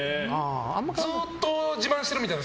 ずっと自慢してるみたいな。